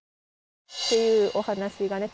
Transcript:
っていうお話がね